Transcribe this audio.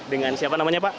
dengan siapa namanya pak